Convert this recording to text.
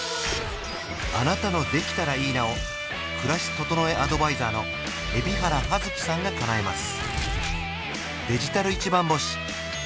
あなたの「できたらいいな」を暮らし整えアドバイザーの海老原葉月さんがかなえます